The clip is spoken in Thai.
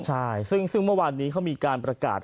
ใช่ซึ่งเมื่อวานนี้เขามีการประกาศ